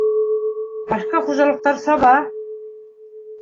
Башҡа хужалыҡтар саба!